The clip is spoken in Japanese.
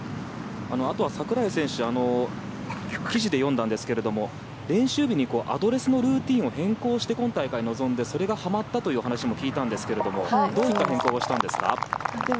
あとは櫻井選手記事で読んだんですが練習日にアドレスのルーティンを変更して今大会に臨んでそれがはまったと聞いたんですがどういった変更をしたんですか？